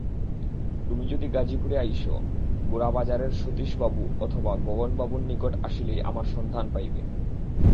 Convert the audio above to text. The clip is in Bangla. তুমি যদি গাজীপুরে আইস, গোরাবাজারের সতীশবাবু অথবা গগনবাবুর নিকট আসিলেই আমার সন্ধান পাইবে।